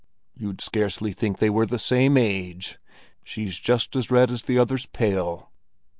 "You'd scarcely think they were the same age. She's just as red as the other's pale."